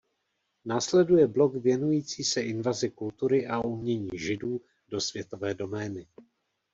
Následuje blok věnující se invazi kultury a umění Židů do světové domény.